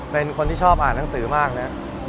เป็นคนที่ชอบอ่านหนังสือมากนะ